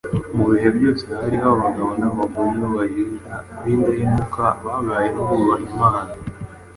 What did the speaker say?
mu bihe byose hari abagabo n’abagore b’Abayahudi b’indahemuka babayeho bubaha Imana